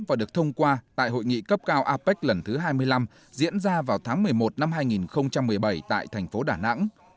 và được thông qua tại hội nghị cấp cao apec lần thứ hai mươi năm diễn ra vào tháng một mươi một năm hai nghìn một mươi bảy tại thành phố đà nẵng